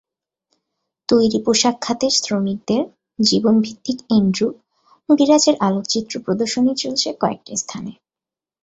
তৈরি পোশাক খাতের শ্রমিকদের জীবনভিত্তিক এন্ড্রু বিরাজের আলোকচিত্র প্রদর্শনী চলছে কয়েকটি স্থানে।